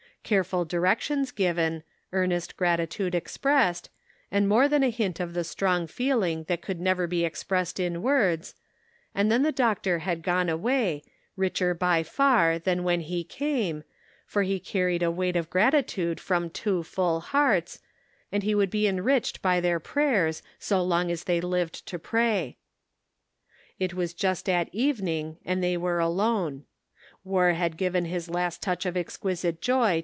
Careful directions given, earnest gratitude expressed, and more than a hint of the strong feeling that could never be expressed in words, and then the doctor had gone away, richer by far than when he came, for he carried a weight of gratitude from two full hearts, and he would be enriched by their prayers, so long as they lived to pray. It was just at even ing and they were alone. War had given his last touch of exqusite joy.